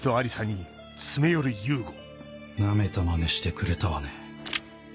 ナメたまねしてくれたわね。